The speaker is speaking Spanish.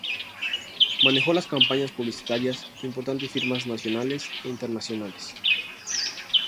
Manejó las campañas publicitarias de importantes firmas nacionales e internacionales.